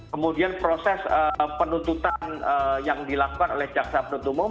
kemudian proses penuntutan yang dilakukan oleh jaksa penuntut umum